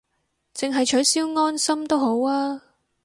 淨係取消安心都好吖